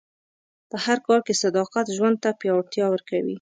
په هر کار کې صداقت ژوند ته پیاوړتیا ورکوي.